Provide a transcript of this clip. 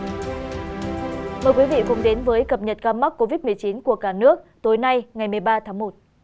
chào mừng quý vị đến với cập nhật ca mắc covid một mươi chín của cả nước tối nay ngày một mươi ba tháng một